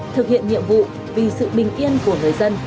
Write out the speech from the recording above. thực hiện nhiệm vụ vì sự bình yên của người dân